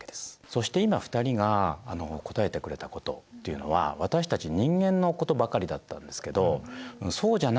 そして今２人が答えてくれたことっていうのは私たち人間のことばかりだったんですけどそうじゃないものもあるんですよね。